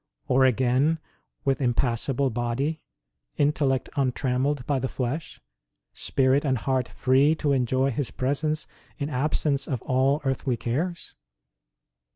Or, again, with impassible body, intellect un trammelled by the flesh, spirit and heart free to enjoy His presence in absence of all earthly cares